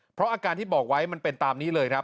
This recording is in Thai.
เพราะอาการที่บอกไว้มันเป็นตามนี้เลยครับ